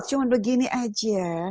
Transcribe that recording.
cuma begini aja